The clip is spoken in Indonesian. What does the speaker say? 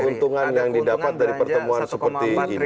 keuntungan yang didapat dari pertemuan seperti ini